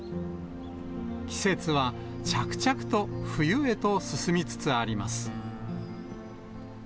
季節は着々と冬へと進みつつあります。